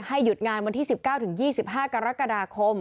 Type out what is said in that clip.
หยุดงานวันที่๑๙๒๕กรกฎาคม